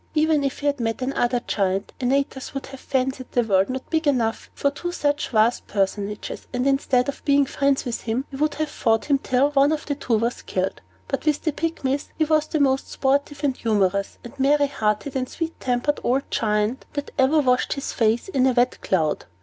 Even if he had met another Giant, Antaeus would have fancied the world not big enough for two such vast personages, and, instead of being friends with him, would have fought him till one of the two was killed. But with the Pygmies he was the most sportive and humorous, and merry hearted, and sweet tempered old Giant that ever washed his face in a wet cloud.